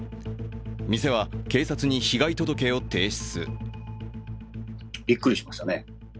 店は警察に被害届を提出。